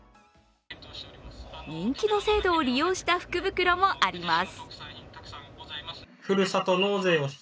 人気の制度を利用した福袋もあります。